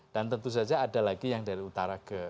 dan tentu saja ada lagi yang dari utara ke